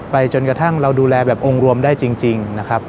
ไปจนกระทั่งเราดูแลแบบองค์รวมได้จริง